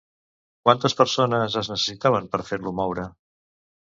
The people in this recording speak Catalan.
Quantes persones es necessitaven per fer-lo moure?